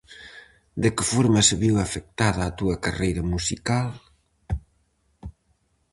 De que forma se viu afectada a túa carreira musical?